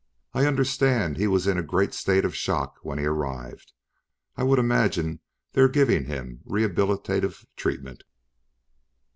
I understand he was in a great state of shock when he arrived. I would imagine they're giving him rehabilitative treatment."